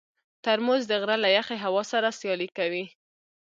ترموز د غره له یخې هوا سره سیالي کوي.